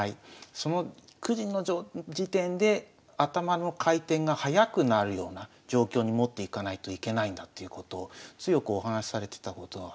その９時の時点で頭の回転が速くなるような状況に持っていかないといけないんだということを強くお話しされてたことは思い出しますね。